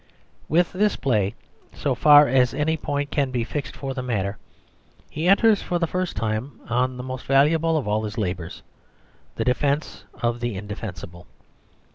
With this play, so far as any point can be fixed for the matter, he enters for the first time on the most valuable of all his labours the defence of the indefensible.